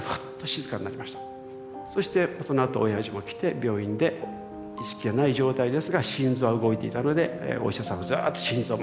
そしてそのあとおやじも来て病院で意識はない状態ですが心臓は動いていたのでお医者さんはずっと心臓マッサージ。